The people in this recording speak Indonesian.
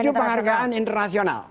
tujuh penghargaan internasional